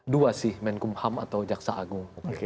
dua sih menkumham atau jaksa agung